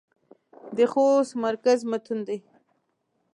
د خوست مرکز متون دى.